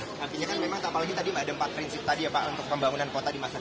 artinya kan memang apalagi tadi ada empat prinsip tadi ya pak untuk pembangunan kota di masa depan